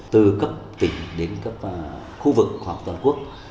từ cấp tỉnh đến cấp khu vực hoặc toàn quốc